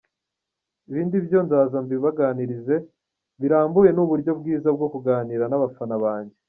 Ibindi byo nzaza mbibaganirize birambuye ni uburyo bwiza bwo kuganira n’abafana banjye.